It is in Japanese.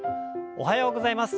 おはようございます。